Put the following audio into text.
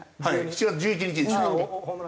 ７月１１日ですねはい。